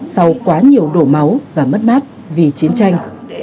sau quá nhiều đổ máu và mất mát vì chiến tranh